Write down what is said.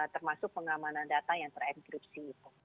termasuk pengamanan data yang terenkripsi itu